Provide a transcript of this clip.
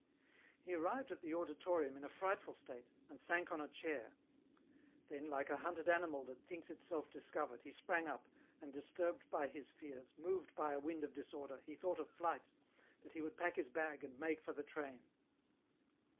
He arrived at the auditorium in a frightful state, and EN ROUTE. 179 sank on a chair ; then, like a hunted animal that thinks itself discovered, he sprang up, and, disturbed by his fears, moved by a wind of disorder, he thought of flight, that he would pack his bag, and make for the train.